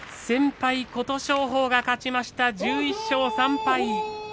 先輩琴勝峰が勝ちました１１勝３敗。